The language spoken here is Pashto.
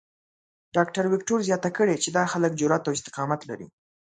ډاکټر وېکټور زیاته کړې چې دا خلک جرات او استقامت لري.